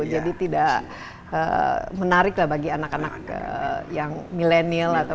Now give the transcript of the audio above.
jadi tidak menarik lah bagi anak anak yang milenial